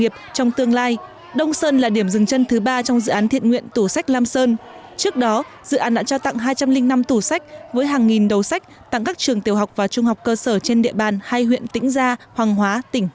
ban đại diện dự án tủ sách lam sơn đã trao tặng một trăm chín mươi tám tủ sách và gần hai trăm linh xuất quà